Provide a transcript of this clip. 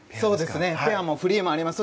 ペアもフリーもあります。